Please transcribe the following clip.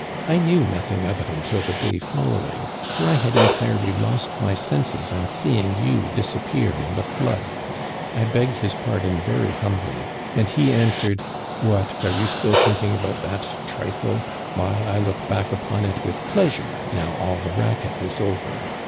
I knew nothing of it until the day following, for I had entirely lost my senses on seeing you disappear in the flood. I begged his par don very humbly, and he answered :* What ! are you still thinking about that trifle ? Why, I look back upon it with pleasure now all the racket is over.